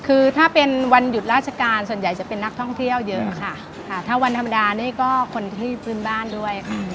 คือถ้าเป็นวันหยุดราชการส่วนใหญ่จะเป็นนักท่องเที่ยวเยอะค่ะถ้าวันธรรมดานี่ก็คนที่พื้นบ้านด้วยค่ะ